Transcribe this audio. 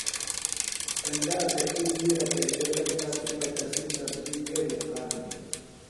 ایندا تھےۡ تی بِیڈہ پیئسے گِٹلہ تِپہ تسی سبزی گیڈیۡ دُکان ہِنیۡ.